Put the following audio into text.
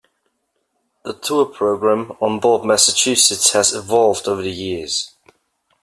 The tour program on board "Massachusetts" has evolved over the years.